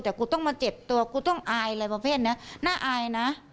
แต่กูต้องมาเจ็บตัวกูต้องอายเลยประเภทนี้น่าอายนะ